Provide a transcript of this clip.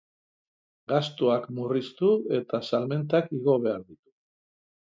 Gastuak murriztu eta salmentak igo behar ditugu.